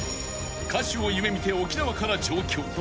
歌手を夢見て沖縄から上京］